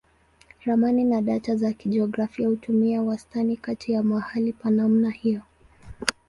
Ramani na data za kijiografia hutumia wastani kati ya mahali pa namna hiyo.